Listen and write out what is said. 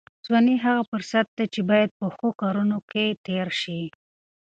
ځواني هغه فرصت دی چې باید په ښو کارونو کې تېر شي.